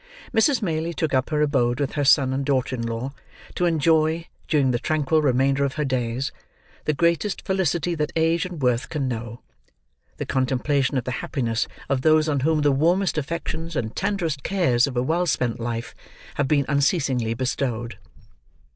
Mrs. Maylie took up her abode with her son and daughter in law, to enjoy, during the tranquil remainder of her days, the greatest felicity that age and worth can know—the contemplation of the happiness of those on whom the warmest affections and tenderest cares of a well spent life, have been unceasingly bestowed.